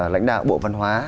lãnh đạo bộ văn hóa